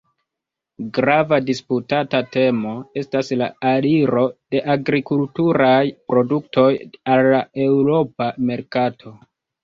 Grava disputata temo estas la aliro de agrikulturaj produktoj al la eŭropa merkato.